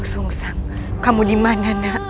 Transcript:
masuklah ke dalam